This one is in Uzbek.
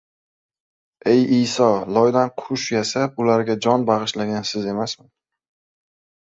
-Ey Iyso! Loydan qush yasab, ularga jon bag‘ishlagan Siz emasmi?